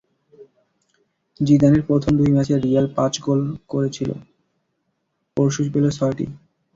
জিদানের প্রথম দুই ম্যাচে রিয়াল পাঁচ গোল করে করেছিল, পরশু পেল ছয়টি।